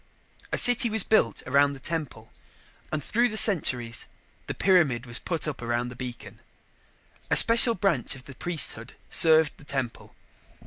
A city was built around the temple and, through the centuries, the pyramid was put up around the beacon. A special branch of the priesthood served the temple.